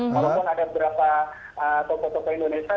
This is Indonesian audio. walaupun ada beberapa toko toko indonesia